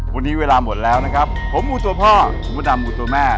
วันนี้เวลาหมดแล้วนะครับผมมูตัวพ่อคุณพระดำมูตัวแม่